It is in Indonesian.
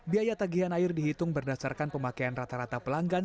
biaya tagihan air dihitung berdasarkan pemakaian rata rata pelanggan